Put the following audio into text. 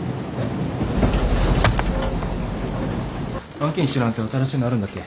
案件一覧って新しいのあるんだっけ？